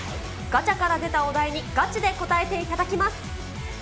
ガチャから出たお題にガチで答えていただきます。